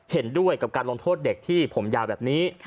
เห็นด้วยกับการลงโทษเด็กที่ผมยาวแบบนี้